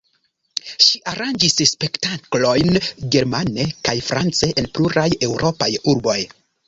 Ŝi aranĝis spektaklojn germane kaj france en pluraj eŭropaj urboj.